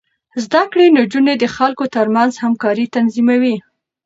زده کړې نجونې د خلکو ترمنځ همکاري تنظيموي.